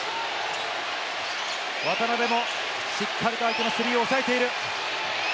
渡邊もしっかりと相手のスリーを抑えている。